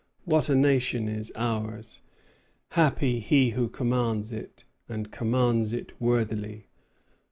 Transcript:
"What a nation is ours! Happy he who commands it, and commands it worthily!"